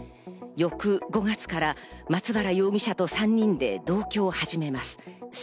翌５月から松原容疑者と３人で同居を始めます。